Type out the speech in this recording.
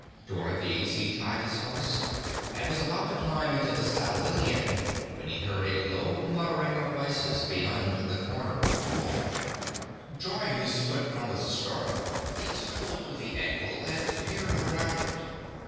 To one of these he tied his horse, and was about to climb into the saddle again, when he heard a low muttering of voices beyond the corner of the wall. Drawing his foot from the stirrup he stole to the angle and peered around it.